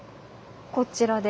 こちらで？